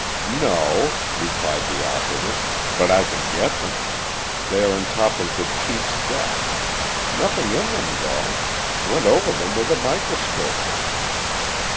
"No," replied the operative, "but I can get them. They are on top of the chief's desk. Nothing in them, though. Went over them with a microscope."